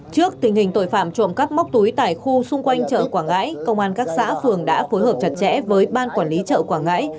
trước tình hình tội phạm trộm cắp móc túi tại khu xung quanh chợ quảng ngãi công an các xã phường đã phối hợp chặt chẽ với ban quản lý chợ quảng ngãi